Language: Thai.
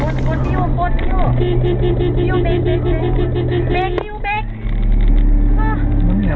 บนก็อยู่บนก็อยู่